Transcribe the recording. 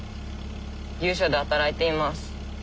牛舎で働いています。